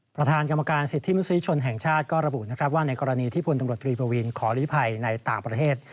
ประธานกรรมการสิทธิมนุษยชนแห่งชาติก็ระบุนะครับว่าในกรณีที่พลตำรวจตรีปวีนขอลีภัยในต่างประเทศ